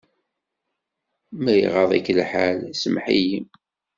Ma iɣaḍ-ik lḥal, semmeḥ-iyi.